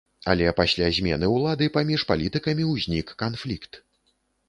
Але пасля змены ўлады паміж палітыкамі ўзнік канфлікт.